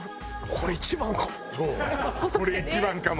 「ほうこれ一番かも」！